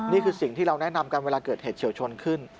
นี่คือสิ่งที่เราแนะนำกันเวลาเกิดเหตุเฉียวชนขึ้น